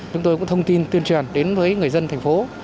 chúng tôi cũng thông tin tuyên truyền đến với người dân thành phố